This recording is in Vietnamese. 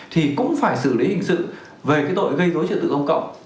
thì cũng phải xử lý hình sự về cái tội gây dối trật tự công cộng